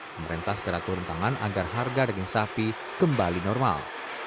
pemerintah segera turun tangan agar harga daging sapi kembali normal